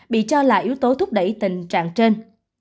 bị cho là yếu tố thúc đẩy tình trạng trên